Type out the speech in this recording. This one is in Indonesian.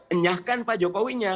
enyahkan pak jokowinya